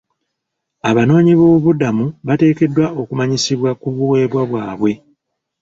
Abanoonyiboobubudamu bateekeddwa okumanyisibwa ku buweebwa bwabwe..